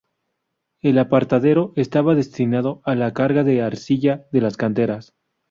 El apartadero estaba destinado a la carga de arcilla de las canteras.